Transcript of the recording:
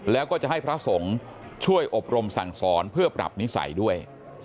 แล้วก็จะให้พระสงฆ์ช่วยอบรมสั่งสอนเพื่อปรับนิสัยด้วย